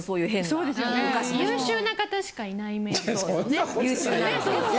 ・そうですよね・優秀な方しかいないイメージですよね。